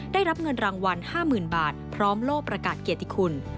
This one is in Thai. ได้รับเงินรางวัล๕๐๐๐บาทพร้อมโลกประกาศเกียรติคุณ